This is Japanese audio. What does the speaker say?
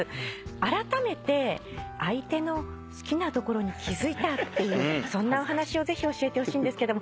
あらためて相手の好きなところに気付いたっていうそんなお話をぜひ教えてほしいんですけども。